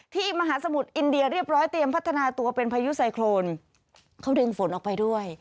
ที่มหาสมุทรอินเดียเรียบร้อยเตรียมพัฒนาตัวเป็นพายุไซโครนเขาดึงฝนออกไปด้วย